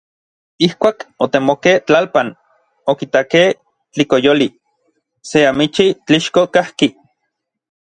Ijkuak otemokej tlalpan, okitakej tlikoyoli, se amichij tlixko kajki.